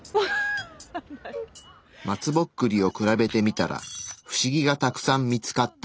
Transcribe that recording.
松ぼっくりを比べてみたらフシギがたくさん見つかった。